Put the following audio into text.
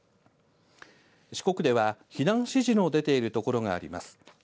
四国では避難指示の出ているところがあります。